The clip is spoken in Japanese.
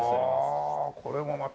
ああこれもまた。